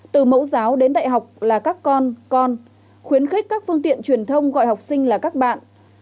từ mẫu giáo đến đại học là các con con khuyến khích các phương tiện truyền thông gọi học sinh là các bạn